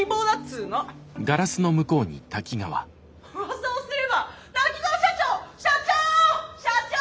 うわさをすれば滝川社長！社長！社長！